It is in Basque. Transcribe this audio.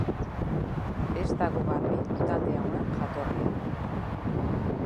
Ez dago garbi talde hauen jatorria.